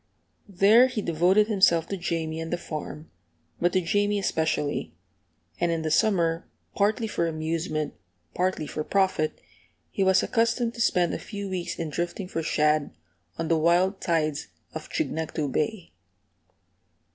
There he devoted himself to Jamie and the farm, but to Jamie especially; and in the summer, partly for amusement, partly for profit, he was accustomed to spend a few weeks in drifting for shad on the wild tides of Chignecto Bay.